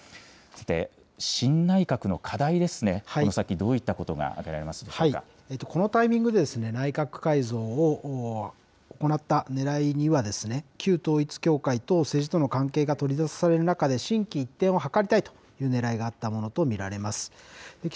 さて、新内閣の課題ですね、この先、どういったことが挙げられまこのタイミングで、内閣改造を行ったねらいには、旧統一教会と政治との関係が取り沙汰される中で、心機一転を図りたいというねらいがあったものと見られます。